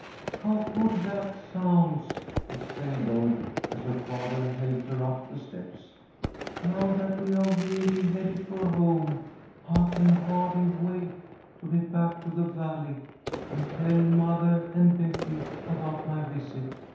"How good that sounds!" exclaimed Lloyd, as her father helped her up the steps. "Now that we are really headed for home, I can hardly wait to get back to the Valley and tell mothah and Betty about my visit.